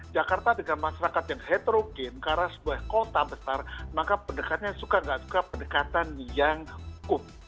jakarta dengan masyarakat yang heterogen karena sebuah kota besar maka pendekatannya suka gak suka pendekatan yang hukum